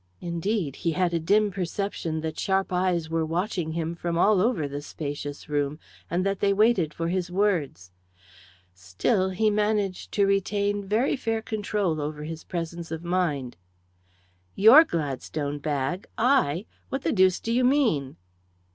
Indeed, he had a dim perception that sharp eyes were watching him from all over the spacious room, and that they waited for his words. Still, he managed to retain very fair control over his presence of mind. "Your Gladstone bag! I! What the deuce do you mean?"